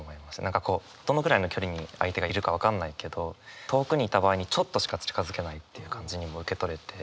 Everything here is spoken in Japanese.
何かこうどのくらいの距離に相手がいるか分かんないけど遠くにいた場合にちょっとしか近づけないっていう感じにも受け取れて。